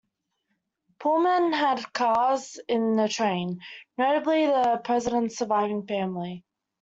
Pullman had cars in the train, notably for the President's surviving family.